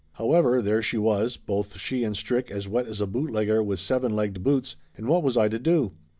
However, there she was, both she and Strick as wet as a bootlegger with seven legged boots, and what was I to do